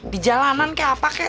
di jalanan kayak apa kek